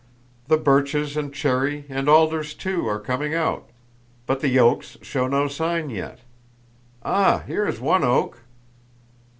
The birches and cherry and alders too are coming out.... But the oaks show no sign yet. Ah, here is one oak!"